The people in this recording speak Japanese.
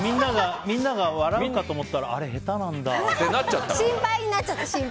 みんなが笑うかと思ったらあれ、下手なんだって。